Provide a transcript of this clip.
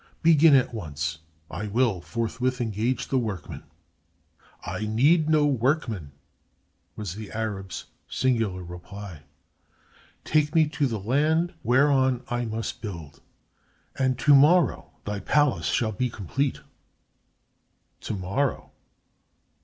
Begin at once. I will forthwith engage the workmen." "I need no workmen," was the Arab's singular reply. "Take me to the land whereon I must build, and to morrow thy palace shall be complete." "Tomorrow!"